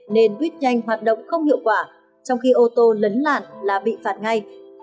nên buýt nhanh hoạt động không hiệu quả trong khi ô tô lấn làn là bị phạt ngay